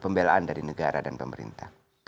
pembelaan dari negara dan pemerintah